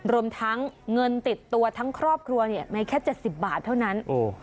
รวมทั้งเงินติดตัวทั้งครอบครัวมีแค่๗๐บาทเท่านั้น